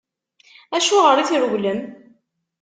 Acuɣeṛ i trewlem?